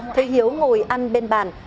thấy hiếu ngồi ăn bên bàn